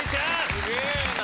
すげえな。